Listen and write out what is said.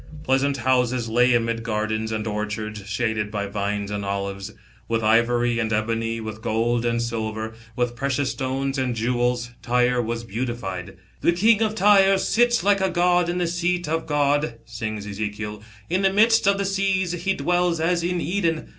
Pleasant houses lay amid gardens and orchards, shaded by vines and olives. With ivory and B.C. 992.1 THE TEMPLE AT JERUSALEM. 45 t \ t ebony,, with gold and silver,* with preciqus stones anc jewels, Tyre was beautified. " The king of Tyre sits like a god in the seat of God," sings Ezekiel, "'in the midst of the seas. He dwells as in Eden.